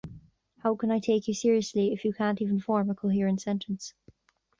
How can I take you seriously if you can't even form a coherent sentence?